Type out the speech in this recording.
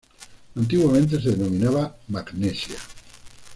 Antiguamente se denominaba magnesia.